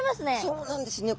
そうなんですね。